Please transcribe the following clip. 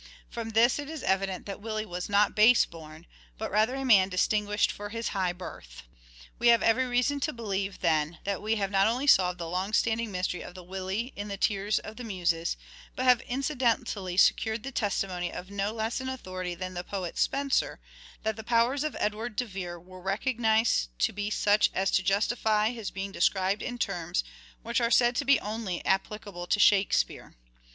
From this it is evident that " Willie " was not " base born," but rather a man distinguished for his high birth. Spenser's We have every reason to believe, then, that we have testimony. not only solved the long standing mystery of the " Willie " in " The Tears of the Muses," but have incidentally secured the testimony of no less an authority than the poet Spenser, that the powers of Edward de Vere were recognized to be such as to justify his being described in terms which are said to be only applicable to Shakespeare.